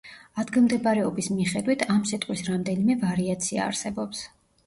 ადგილმდებარეობის მიხედვით ამ სიტყვის რამდენიმე ვარიაცია არსებობს.